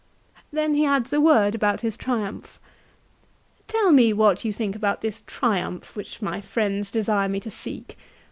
Then he adds a word about his Triumph. "Tell me what you think about this Triumph, which my friends desire me to seek.